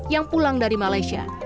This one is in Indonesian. yang pulang dari malaysia